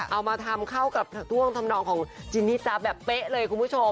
เอามาทำเข้ากับท่วงทำนองของจินนี่จ๊ะแบบเป๊ะเลยคุณผู้ชม